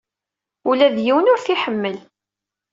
Ula d yiwen ur t-iḥemmel.